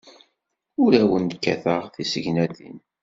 Ur awen-kkateɣ tisegnatin.